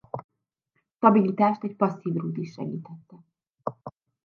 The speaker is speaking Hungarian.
Stabilitást egy passzív rúd is segítette.